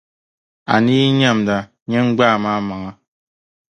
A ni yi nyamda nyin’ gbaam’ amaŋa.